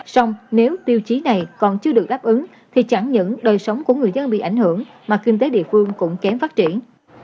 sông nếu tiêu chí này còn chưa được đáp ứng thì chẳng những đời sống của người dân bị ảnh hưởng mà kinh tế địa phương cũng kém phát triển